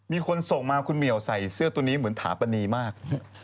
มีคนส่งมาคุณเหมียวใส่เสื้อตัวนี้เหมือนถาปนีมาก